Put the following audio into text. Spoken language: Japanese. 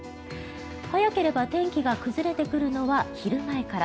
早ければ天気が崩れてくるのは昼前から。